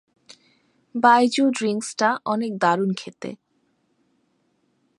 বাইজু ড্রিংসটা অনেক দারুন খেতে।